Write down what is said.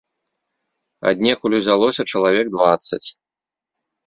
Аднекуль узялося чалавек дваццаць.